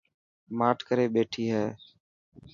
ماٺ ڪري ٻيٺي هي.